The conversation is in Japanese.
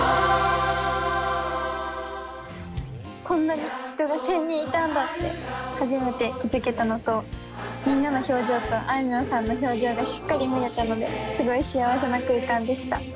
こんなに人が１，０００人いたんだって初めて気付けたのとみんなの表情とあいみょんさんの表情がしっかり見れたのですごい幸せな空間でした。